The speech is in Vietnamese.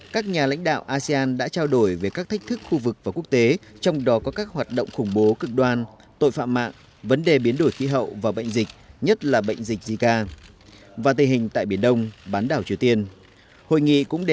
các nhà lãnh đạo asean đã trao đổi về các thách thức khu vực và quốc tế trong đó có các hoạt động khủng bố cực đoan tội phạm mạng vấn đề biến đổi khí hậu và bệnh dịch nhất là bệnh dịch zika và tình hình tại biển đông bán đảo triều tiên